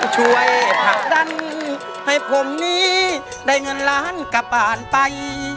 ช่วยผลักดันให้ผมนี้ได้เงินล้านกลับบ้านไป